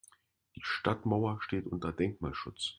Die Stadtmauer steht unter Denkmalschutz.